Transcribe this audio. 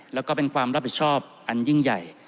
แล้วก็เป็นความรับผิดชอบอันยิ่งใหญ่